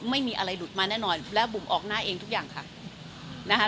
ไม่มีอะไรหลุดมาแน่นอนและบุ๋มออกหน้าเองทุกอย่างค่ะนะคะ